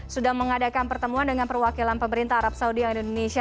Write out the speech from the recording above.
sudah mengadakan pertemuan dengan perwakilan pemerintah arab saudi dan indonesia